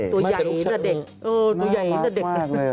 ตัวใหญ่น่ะเด็กเออหนูใหญ่น่ะเด็กน่ารักมากเลยอ่ะ